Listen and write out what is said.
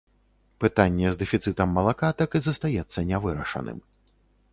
Пытанне з дэфіцытам малака так і застаецца нявырашаным.